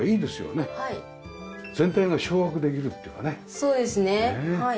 そうですねはい。